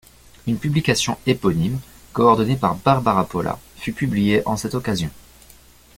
Une publication éponyme, coordonnée par Barbara Polla, fut publiée en cette occasion.